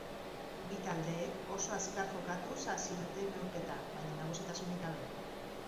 Bi taldeek oso azkar jokatuz hasi dute neurketa, baina nagusitasunik gabe.